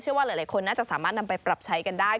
ว่าหลายคนน่าจะสามารถนำไปปรับใช้กันได้